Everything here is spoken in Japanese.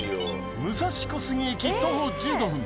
武蔵小杉駅徒歩１５分